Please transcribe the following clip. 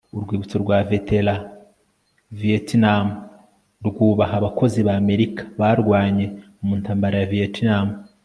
Urwibutso rwa Veterans Viyetinamu rwubaha abakozi ba Amerika barwanye mu ntambara ya Vietnam